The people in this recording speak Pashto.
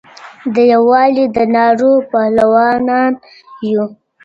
د یووالي د نارو پهلوانان یو ,